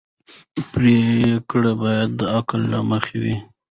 پرېکړې باید د عقل له مخې وي